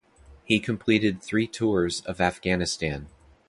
He completed three tours of Afghanistan.